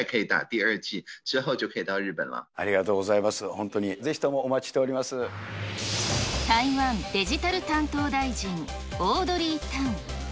本当に、ぜひともお待ちしており台湾デジタル担当大臣、オードリー・タン。